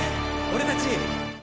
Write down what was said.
俺たち。